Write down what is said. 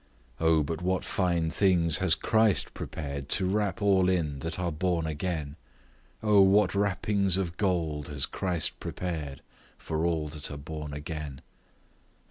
O but what fine things has Christ prepared to wrap all in that are born again! O what wrappings of gold has Christ prepared for all that are born again!